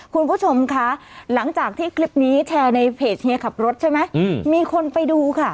คุณผู้ชมคะหลังจากที่คลิปนี้แชร์ในเพจเฮียขับรถใช่ไหมมีคนไปดูค่ะ